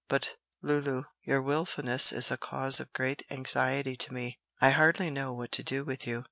"But, Lulu, your wilfulness is a cause of great anxiety to me. I hardly know what to do with you.